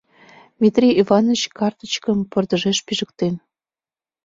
Митрий Иваныч картычкым пырдыжеш пижыктен.